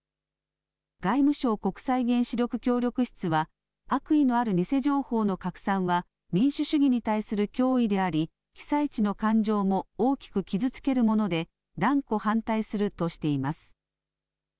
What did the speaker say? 外務省国際原子力協力室は悪意のある偽情報の拡散は民主主義に対する脅威であり被災地の感情も大きく傷つけるもので断固反対するとしています。